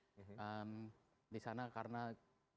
di sana karena pemegang saham kita sudah terbiasa melakukan audit report